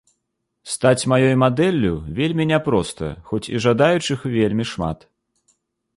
Стаць маёй мадэллю вельмі няпроста, хоць і жадаючых вельмі шмат.